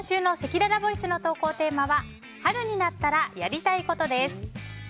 今週のせきららボイスの投稿テーマは春になったらやりたいことです。